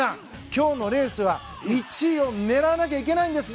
今日のレースは１位を狙わなきゃいけないんです。